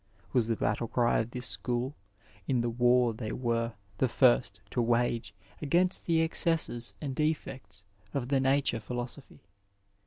" was the battle cry of this school in the war they were the first to wage against the excesses and defects of the nature philosophy.